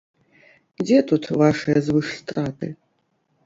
Дзе тут вашыя звышстраты?